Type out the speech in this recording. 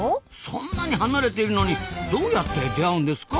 そんなに離れてるのにどうやって出会うんですか？